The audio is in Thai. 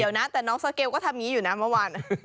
เดี๋ยวนะแต่น้องสเกลก็ทำอย่างนี้อยู่นะเมื่อวาน